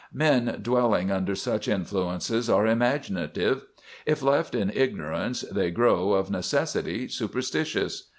"Men dwelling under such influences are imaginative. If left in ignorance, they grow, of necessity, superstitious.